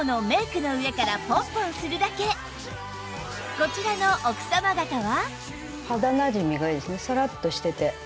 こちらの奥様方は